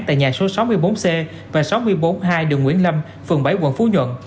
tại nhà số sáu mươi bốn c và sáu mươi bốn hai đường nguyễn lâm phường bảy quận phú nhuận